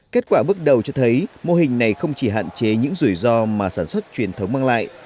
kết quả bước đầu cho thấy mô hình này không chỉ hạn chế những rủi ro mà sản xuất truyền thống mang lại